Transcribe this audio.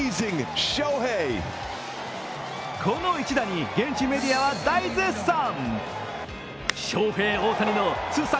この一打に現地メディアは大絶賛。